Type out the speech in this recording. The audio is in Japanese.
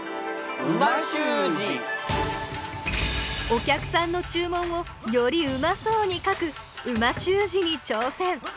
お客さんの注文をよりうまそうに書く美味しゅう字にちょうせん！